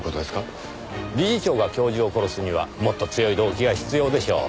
理事長が教授を殺すにはもっと強い動機が必要でしょう。